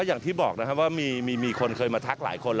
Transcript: อย่างที่บอกนะครับว่ามีคนเคยมาทักหลายคน